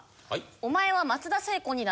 お前は松田聖子になれる。